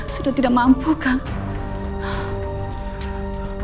sudah tidak mampu kakak